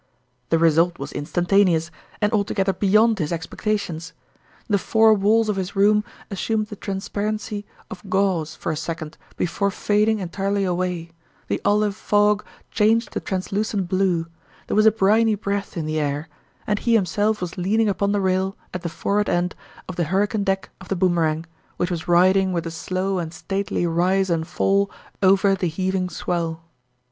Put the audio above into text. The result was instantaneous, and altogether beyond his expectations! The four walls of in's ,first Ceue. 33 his room assumed the transparency of gauze for a second, before fading entirely away ; the olive fog changed to translucent blue ; there was a briny breath in the air, and he himself was leaning upon the rail at the forward end of the hurricane deck of the Boomerang, which was riding with a slow and stately rise and fall over the heaving swell.